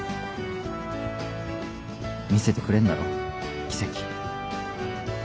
見せてくれんだろ奇跡。